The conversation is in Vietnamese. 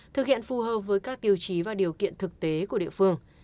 thực hiện phù hợp với các tiêu chí và điều kiện thực tế của địa phương